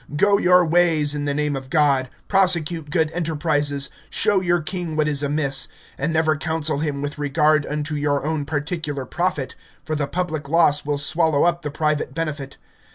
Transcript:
Go your ways in the name of God, prosecute good enterprises, show your king what is amiss, and never counsel him with regard unto your own particular profit, for the public loss will swallow up the private benefit.